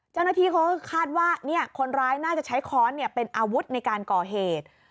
เจ้าหน้าที่เขาก็คาดว่าคนร้ายน่าจะใช้ค้อนเป็นอาวุธในการก่อเหตุ